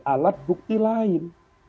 alat bukti lain